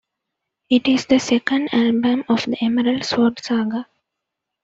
It is the second album of the Emerald Sword Saga.